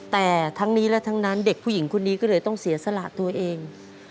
แต่ทั้งนี้และทั้งนั้นเด็กผู้หญิงคนนี้ก็เลยต้องเสียสละตัวเอง